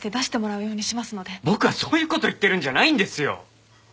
僕はそういう事を言ってるんじゃないんですよ！